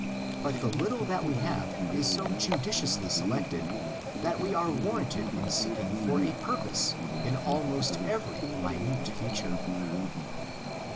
But the little that we have is so judiciously selected that we are warranted in seeking for a pur pose in almost every minute feature.